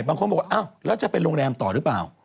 บางคนบอกว่าอ้าวแล้วจะไปโรงแรมต่อหรือเปล่า